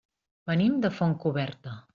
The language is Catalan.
Venim de Fontcoberta.